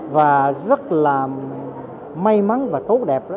và rất là may mắn và tốt đẹp